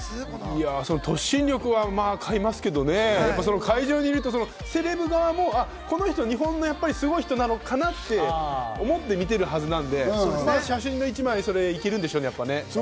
突進力はかいますけどね、会場にいるとセレブ側もこの人、日本のすごい人なのかな？って思って見ているはずなんで、写真の１枚いけるんでしょうね、やっぱ。